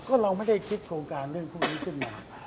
ก็เราไม่ได้คิดโครงการเรื่องพวกนี้ขึ้นมา